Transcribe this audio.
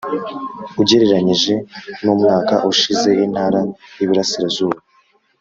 Ugereranyije n umwaka ushize Intara y Uburasirazuba